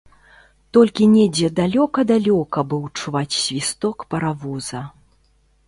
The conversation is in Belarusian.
Толькі недзе далёка-далёка быў чуваць свісток паравоза.